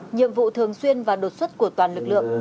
nhiệm vụ thường xuyên và đột xuất của toàn lực lượng